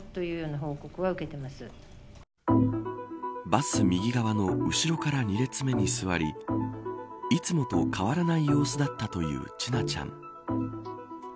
バス右側の後ろから２列目に座りいつもと変わらない様子だったという千奈ちゃん。